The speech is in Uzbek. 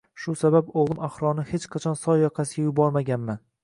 Shu sabab o`g`lim Ahrorni hech qachon soy yoqasiga yubormaganman